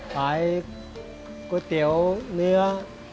ขายก๋วยเตี๋ยวเนื้อ